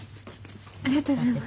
ありがとうございます。